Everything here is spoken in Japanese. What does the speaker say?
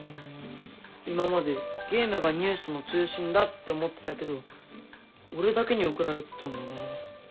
今までゲームがニュースの中心だって思ってたけど俺だけに送られてたんだな。